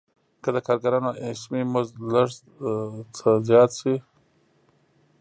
که د کارګرانو اسمي مزد لږ څه زیات شي